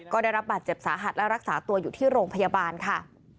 ก็ได้รับบาดเจ็บสาหัสและรักษาตัวอยู่ที่โรงพยาบาลค่ะ